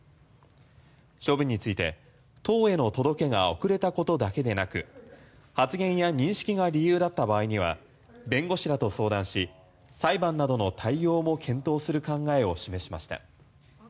処分について党への届けが遅れたことだけでなく発言や認識が理由だった場合には弁護士らと相談し裁判などの対応も検討する考えを示しました。